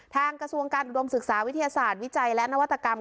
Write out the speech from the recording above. กระทรวงการอุดมศึกษาวิทยาศาสตร์วิจัยและนวัตกรรม